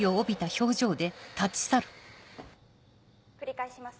繰り返します